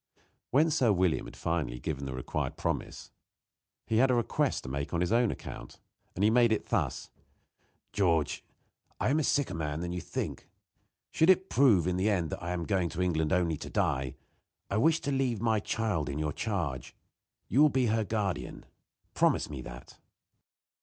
When Sir William had finally given the required promise he had a request to make on his own account. He made it thus: "George, I am a sicker man than you think. Should it prove in the end that I am going to England only to die, I wish to leave my child in your charge. You will be her guardian. Promise me that."